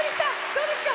どうですか？